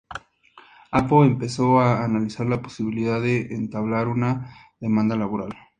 Apo empezó a analizar la posibilidad de entablar una demanda laboral.